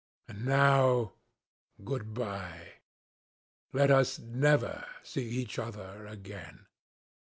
"And now, good bye. Let us never see each other again."